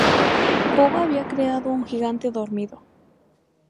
Koba había creado un gigante dormido.